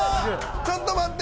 ちょっと待って！